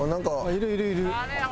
いるいるいる。